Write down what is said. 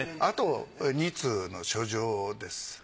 あと２通の書状です。